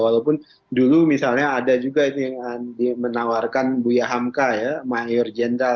walaupun dulu misalnya ada juga ini yang menawarkan buya hamka ya mayor jenderal